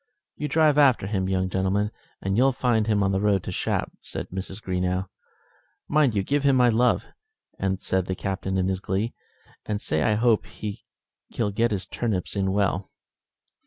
"You drive after him, young gentleman, and you'll find him on the road to Shap," said Mrs. Greenow. "Mind you give him my love," said the Captain in his glee, "and say I hope he'll get his turnips in well."